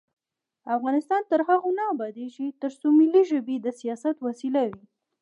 افغانستان تر هغو نه ابادیږي، ترڅو ملي ژبې د سیاست وسیله وي.